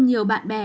nhiều bạn bè